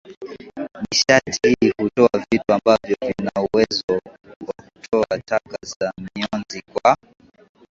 Nishati hii hutoa vitu ambavyo vina uwezo wa kutoa taka za mionzi kwa